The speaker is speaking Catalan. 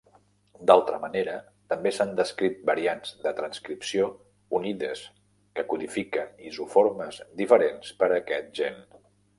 D'altra manera, també s'han descrit variants de transcripció unides que codifiquen isoformes diferents per a aquest gen.